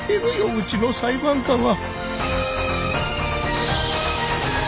うちの裁判官は